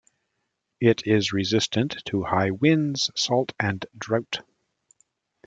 It is resistant to high winds, salt and drought.